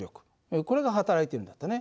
これがはたらいてるんだったね。